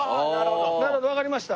なるほどわかりました。